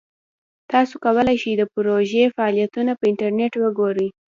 تاسو کولی شئ د پروژې فعالیتونه په انټرنیټ وګورئ.